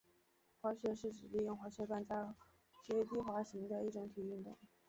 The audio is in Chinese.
滑雪是指利用滑雪板在雪地滑行的一种体育运动。